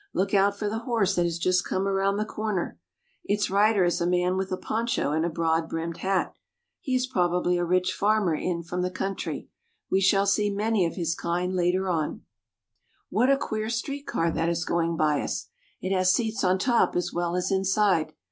Look out for the horse that has just come around the corner. Its rider is a man with a poncho and a broad brimmed hat. He is probably a rich farmer in from the country. We shall see many of his kind later on. "A bread horse with the baker beside it.' ACROSS SOUTH AMERICA. II5 What a queer street car that is going by us! It has seats on top as well as inside.